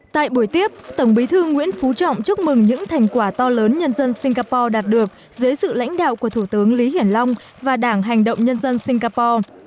tại buổi tiếp tổng bí thư nguyễn phú trọng chúc mừng những thành quả to lớn nhân dân singapore đạt được dưới sự lãnh đạo của thủ tướng lý hiển long và đảng hành động nhân dân singapore